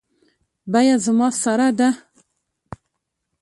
بیه زما سره ده